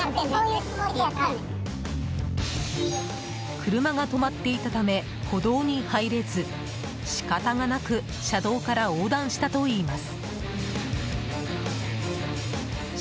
車が止まっていたため歩道に入れず仕方がなく車道から横断したといいます。